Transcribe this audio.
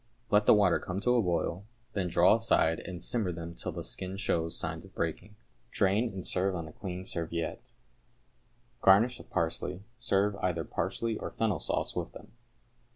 Let the water come to a boil, then draw aside and simmer them till the skin shows signs of breaking. Drain, and serve on a clean serviette. Garnish with parsley. Serve either parsley or fennel sauce with them.